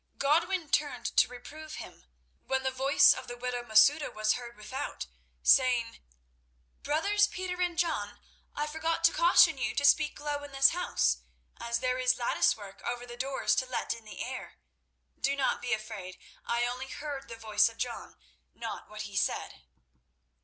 Godwin turned to reprove him, when the voice of the widow Masouda was heard without saying: "Brothers Peter and John, I forgot to caution you to speak low in this house, as there is lattice work over the doors to let in the air. Do not be afraid. I only heard the voice of John, not what he said."